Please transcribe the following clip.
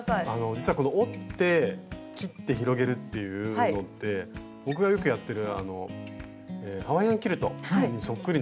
実はこの折って切って広げるっていうのって僕がよくやってるあのハワイアンキルトにそっくりなんですよ。